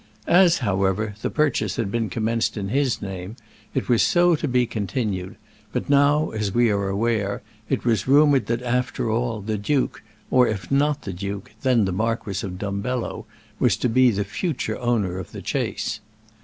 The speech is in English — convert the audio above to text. As, however, the purchase had been commenced in his name, it was so to be continued; but now, as we are aware, it was rumoured that, after all, the duke, or, if not the duke, then the Marquis of Dumbello, was to be the future owner of the Chace.